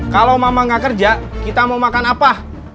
kalau mama nggak kerja kita mau makan apa